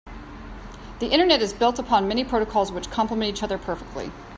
The internet is built upon many protocols which compliment each other perfectly.